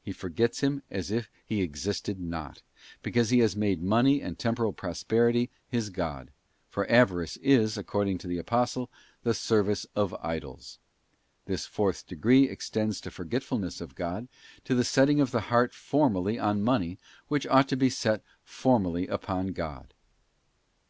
He forgets Him as if He existed not, because he has made money and temporal prosperity his god; for avarice is, according to the Apostle, ' the service of idols.'§ This fourth degree extends to forgetfulness of God, to the setting of the heart formally on money which ought to be set formally upon God; as if * S. Luke xvi.